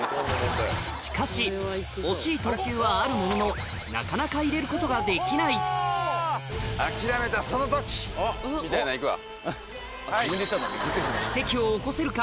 しかし惜しい投球はあるもののなかなか入れることができないうわ！